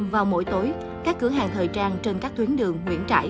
vào mỗi tối các cửa hàng thời trang trên các tuyến đường nguyễn trãi